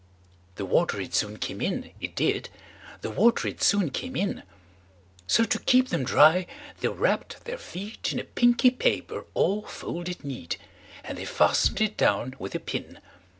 The water it soon came in, it did; The water it soon came in:So, to keep them dry, they wrapp'd their feetIn a pinky paper all folded neat:And they fasten'd it down with a pin.